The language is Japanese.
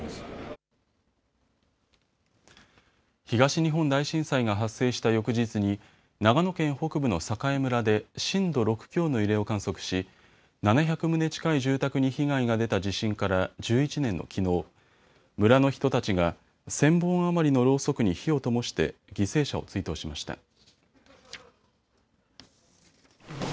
東日本大震災が発生した翌日に長野県北部の栄村で震度６強の揺れを観測し７００棟近い住宅に被害が出た地震から１１年のきのう、村の人たちが１０００本余りのろうそくに火をともして犠牲者を追悼しました。